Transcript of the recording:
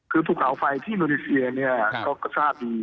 คือภูเขาไฟที่โดนีเซียเนี่ยก็ทราบดี